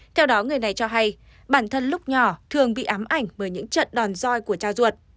theo đó người này cho hay bản thân lúc nhỏ thường bị ám ảnh bởi những trận đòn roi của cha ruột